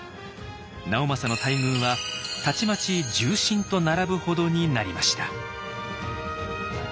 直政の待遇はたちまち重臣と並ぶほどになりました。